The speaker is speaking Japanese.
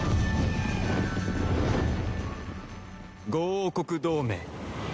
５王国同盟。